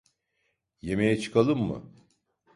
Yemeğe çıkalım mı?